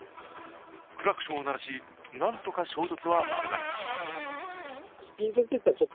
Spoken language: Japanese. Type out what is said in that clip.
クラクションを鳴らしなんとか衝突は免れました。